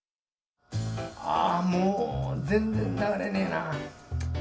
ああ、もう、全然流れねーなぁ。